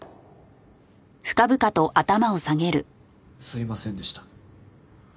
すいませんでした。